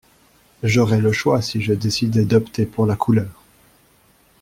J’aurais le choix si je décidais d’opter pour la couleur.